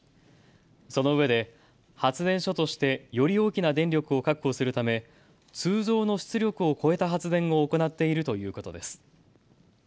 そのうえで発電所としてより大きな電力を確保するため通常の出力を超えた発電を行っているということです。